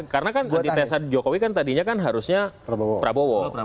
karena kan anti tesa jokowi kan tadinya kan harusnya prabowo